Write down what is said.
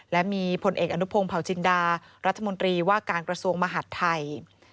และมีผลเอกอนุพงศ์เผาจินดารัฐมนตรีว่าการกระทรวงมหาดไทย